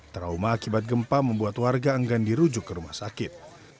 trauma akibat gempa membuat warga enggan dirujuk ke rumah sakit